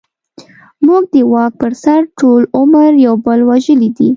موږ د واک پر سر ټول عمر يو بل وژلې دي.